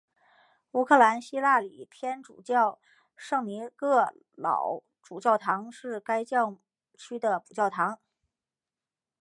乌克兰希腊礼天主教圣尼各老主教座堂是该教区的母教堂。